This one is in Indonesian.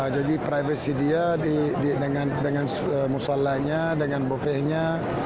jadi privasi dia dengan musalahnya dengan bofehnya